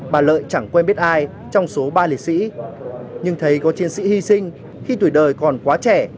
bà lợi chẳng quen biết ai trong số ba liệt sĩ nhưng thấy có chiến sĩ hy sinh khi tuổi đời còn quá trẻ